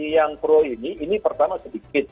yang pro ini ini pertama sedikit